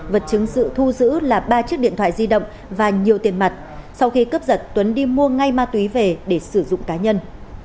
vật chứng sự thu giữ là ba chiếc điện thoại di động và nhiều tiền mặt sau khi cướp giật tuấn đi mua ngay ma túy về để sử dụng cá nhân